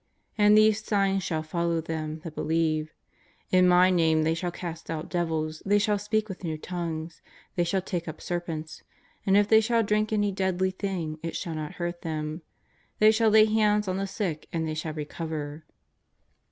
And these signs shall follow them that believe: In My iSTame they shall cast out devils; they shall speak with new tongues ; they shall take up ser pents ; and if they shall drink any deadly thing, it shall not hurt them ; they shall lay hands on the sick, and they shall recover.'